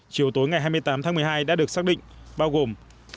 chiều tối ngày hai mươi tám tháng một mươi hai đã được xác định bao gồm